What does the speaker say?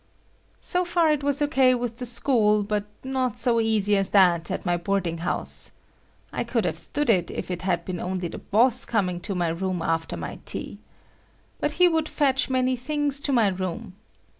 So far it was O.K. with the school, but not so easy as that at my boarding house. I could have stood it if it had been only the boss coming to my room after my tea. But he would fetch many things to my room.